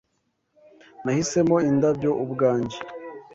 Nahisemo indabyo ubwanjye.